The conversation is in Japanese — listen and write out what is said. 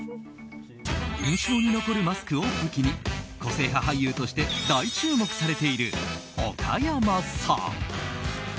印象に残るマスクを武器に個性派俳優として大注目されている岡山さん。